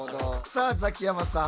さあザキヤマさん。